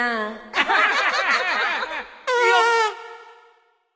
アハハハ。